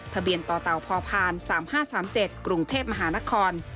ทะเบียนต่อเตาพพ๓๕๓๗กรุงเทพมหานคร